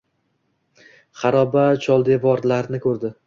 Xaroba-choldevor-larni ko‘rdi.